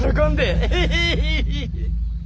エヘヘヘ。